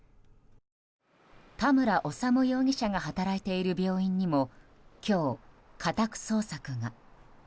田村修容疑者が働いている病院にも今日、家宅捜索が。